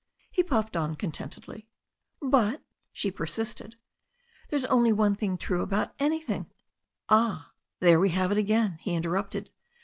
He puffed on contentedly. "But," she persisted, "there's only one thing true about an3rthing *' "Ah, there we have it again," he interrupted.